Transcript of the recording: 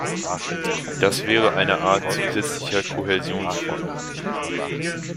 Das wäre eine Art zusätzlicher Kohäsionsfonds.